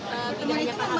pindahnya ke mana